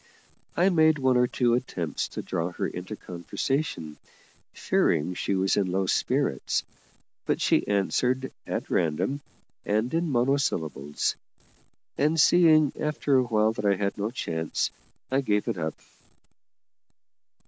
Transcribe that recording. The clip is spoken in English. I made one or two attempts to draw her into conversation, fearing she was in low spirits, but she answered at random and in monosyllables; and, seeing after a while that I had no chance, I gave it up.